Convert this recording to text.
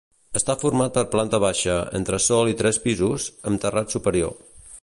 Està format per planta baixa, entresòl i tres pisos, amb terrat superior.